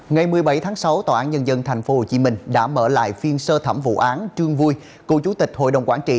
ngày một mươi bảy tháng sáu tòa án nhân dân tp hcm đã mở lại phiên sơ thẩm vụ án trương vui cựu chủ tịch hội đồng quản trị